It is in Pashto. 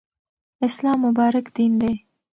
اسلام مبارک دین دی.